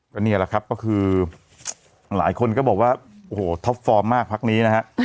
ก็นี่แหละครับก็คือหลายคนก็บอกว่าโอ้โหท็อปฟอร์มมากพักนี้นะฮะ